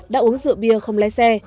đã uống rượu bia không lái xe